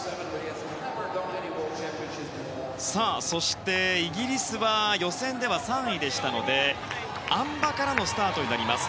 そしてイギリスは予選では３位でしたのであん馬からのスタートになります。